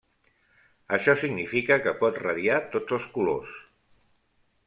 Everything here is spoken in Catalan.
Això significa que pot radiar tots els colors.